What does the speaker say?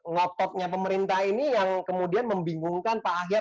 ngototnya pemerintah ini yang kemudian membingungkan pak ahyar